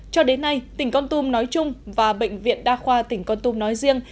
cho đến nay tỉnh con tum nói chung và bệnh viện đa khoa tỉnh con tum nói riêng